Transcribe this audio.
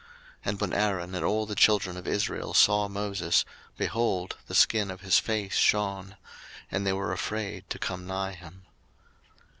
02:034:030 And when Aaron and all the children of Israel saw Moses, behold, the skin of his face shone; and they were afraid to come nigh him.